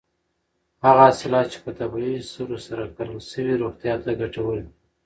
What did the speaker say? هغه حاصلات چې په طبیعي سرو سره کرل شوي روغتیا ته ګټور دي.